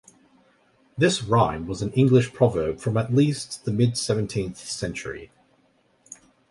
This rhyme was an English proverb from at least the mid-seventeenth century.